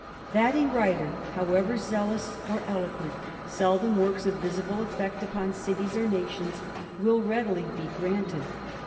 That a writer, however zealous or eloquent, seldo^xo works a visible effect upon cities or nations, will read Si/ be granted.